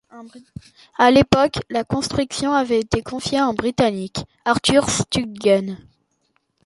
A l'époque, la construction avait été confiée à un britannique, Arthur Studgen.